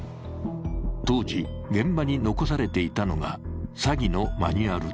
当時、現場に残されていたのが詐欺のマニュアルだ。